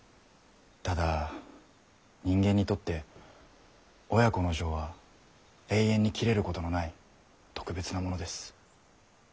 ただ人間にとって親子の情は永遠に切れることのない特別なものです。